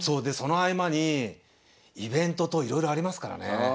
でその合間にイベントといろいろありますからね。